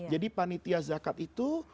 jadi panitia zakat itu